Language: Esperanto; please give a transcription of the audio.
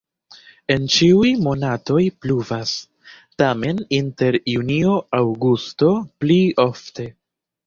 En ĉiuj monatoj pluvas, tamen inter junio-aŭgusto pli ofte.